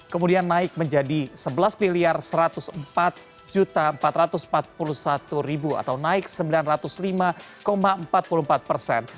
kemudian naik menjadi sebelas satu ratus empat empat ratus empat puluh satu atau naik sembilan ratus lima empat puluh empat persen